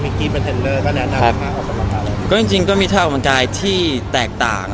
มีเท่าใจจากมีตัวออกการที่แตกต่าง